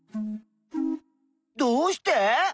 どうして？